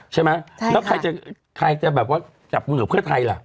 ใช่ไหมแล้วใครจะแบบว่าจับมือกับเพื่อไทยล่ะ